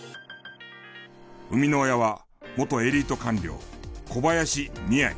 生みの親は元エリート官僚小林味愛。